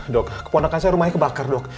dok keponakan saya rumahnya kebakar dok